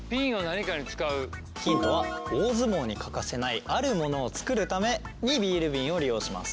ヒントは大相撲に欠かせないあるものを作るためにビール瓶を利用します。